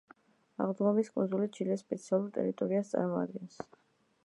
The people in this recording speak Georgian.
აღდგომის კუნძული ჩილეს სპეციალურ ტერიტორიას წარმოადგენს.